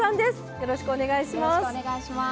よろしくお願いします。